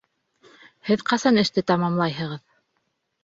Һеҙ ҡасан эште тамамлайһығыҙ?